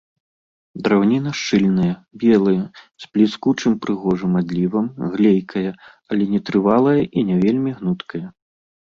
Драўніна шчыльная, белая, з бліскучым прыгожым адлівам, глейкая, але нетрывалая і не вельмі гнуткая.